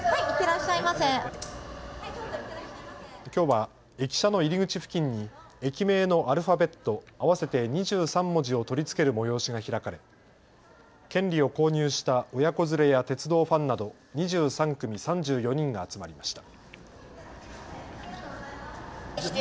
きょうは駅舎の入り口付近に駅名のアルファベット合わせて２３文字を取り付ける催しが開かれ権利を購入した親子連れや鉄道ファンなど２３組３４人が集まりました。